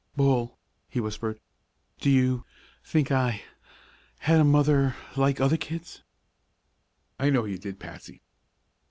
"Bull," he whispered, "do you think I had a mother like other kids?" "I know you did, Patsy."